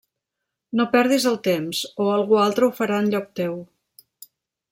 No perdis el temps, o algú altre ho farà enlloc teu.